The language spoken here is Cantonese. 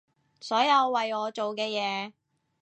所有為我做嘅嘢